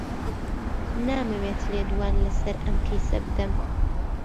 نامەوێت لێدوان لەسەر ئەم کەیسە بدەم.